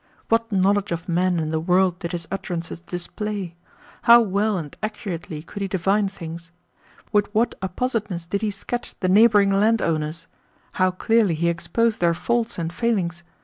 What knowledge of men and the world did his utterances display! How well and accurately could he divine things! With what appositeness did he sketch the neighbouring landowners! How clearly he exposed their faults and failings!